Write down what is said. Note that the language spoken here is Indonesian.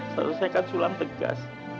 selesaikan sulam tegas